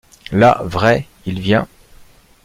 La, vrai, il vient?